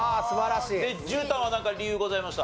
じゅうたんはなんか理由ございました？